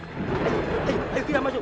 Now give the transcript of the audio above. assalamualaikum warahmatullahi wabarakatuh